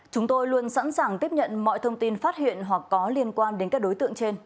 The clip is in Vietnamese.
chúng tôi luôn sẵn sàng tiếp nhận mọi thông tin phát hiện hoặc có liên quan đến các đối tượng trên